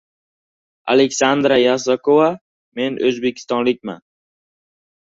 Aleksandra Yasakova: “Men o‘zbekistonlikman”